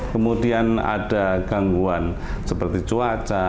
kemudian ada gangguan seperti cuaca